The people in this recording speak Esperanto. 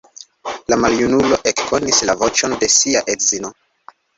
La maljunulo ekkonis la voĉon de sia edzino.